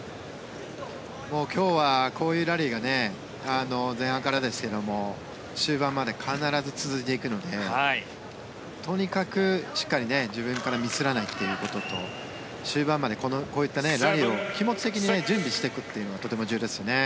今日はこういうラリーが前半からですけど終盤まで必ず続いていくのでとにかくしっかり自分からミスらないということと終盤までこういったラリーを気持ち的に準備していくというのがとても重要ですね。